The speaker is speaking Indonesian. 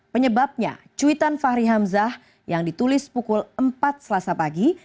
penyebabnya cuitan fahri hamzah yang ditulis pukul empat selasa pagi